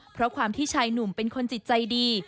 เพราะความที่ชายหนุ่มเป็นคนจิตใจดี